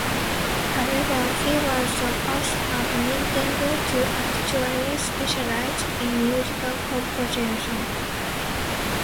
However, he was the first at Nintendo to actually specialize in musical composition.